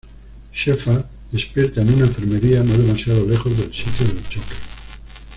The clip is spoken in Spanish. Shephard despierta en una enfermería, no demasiado lejos del sitio del choque.